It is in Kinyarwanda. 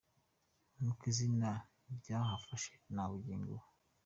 Nuko izina ryahafashe na bugingo n’ubu.